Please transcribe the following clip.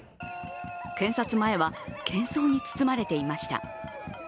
検察前は喧噪に包まれていました。